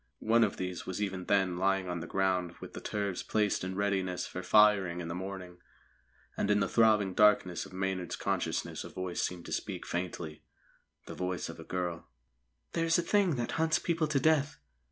One of these was even then lying on the ground with the turves placed in readiness for firing in the morning, and in the throbbing darkness of Maynard's consciousness a voice seemed to speak faintly the voice of a girl: "_There's a Thing that hunts people to death.